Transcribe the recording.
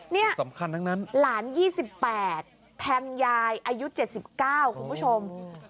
นี่หลาน๒๘แทงยายอายุ๗๙คุณผู้ชม